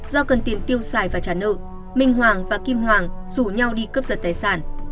do cần tiền tiêu xài và trả nợ minh hoàng và kim hoàng rủ nhau đi cướp giật tài sản